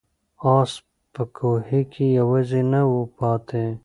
آس په کوهي کې یوازې نه و پاتې.